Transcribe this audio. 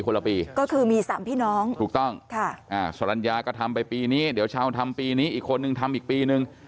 ละปีก็คือมีสามพี่น้องถูกต้องค่ะอ่าสรรญาก็ทำไปปีนี้เดี๋ยวชาวทำปีนี้อีกคนนึงทำอีกปีนึง